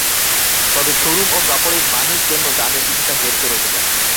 তবে শোরুম ও কাপড়ের মানের জন্য দামের কিছুটা হেরফের হতে পারে।